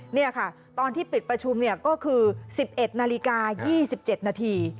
นี่ค่ะตอนที่ปิดประชุมก็คือ๑๑นาฬิกา๒๗นาที